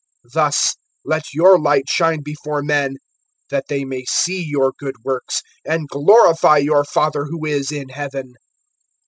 (16)Thus let your light shine before men, that they may see your good works, and glorify your Father who is in heaven.